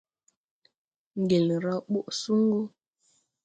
Ŋgel raw ɓɔʼ suŋgu.